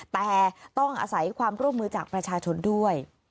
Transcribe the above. แต่ต้องอาศัยความร่วมมือจากประชาชนด้วย